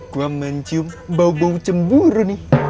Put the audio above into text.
gue mencium bau bau cemburu nih